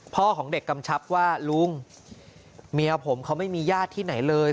ของเด็กกำชับว่าลุงเมียผมเขาไม่มีญาติที่ไหนเลย